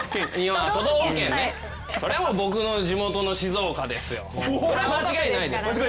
そりゃ僕の地元の静岡ですよ。